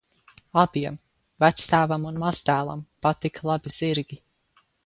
Abiem, vectēvam un mazdēlam, patika labi zirgi.